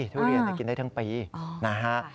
ทุเรียนกินได้ทั้งปีนะฮะ